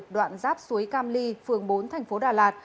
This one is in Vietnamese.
đoạn giáp suối cam ly phường bốn thành phố đà lạt